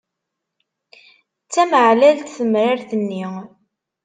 D tameɛlalt temrart-nni.